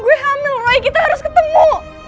gue hamil roy kita harus ketemu